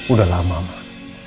udah lama mak